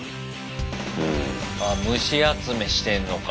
あ虫集めしてんのか。